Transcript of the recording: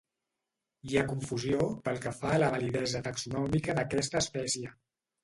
Hi ha confusió pel que fa a la validesa taxonòmica d'aquesta espècie.